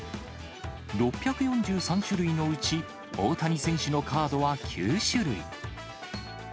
６４３種類のうち、大谷選手のカードは９種類。